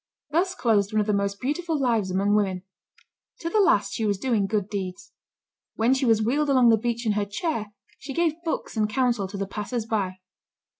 Thus closed one of the most beautiful lives among women. To the last she was doing good deeds. When she was wheeled along the beach in her chair, she gave books and counsel to the passers by.